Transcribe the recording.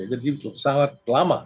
jadi itu sangat lama